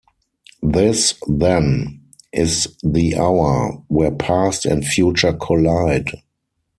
This then, is the hour... where past and future collide!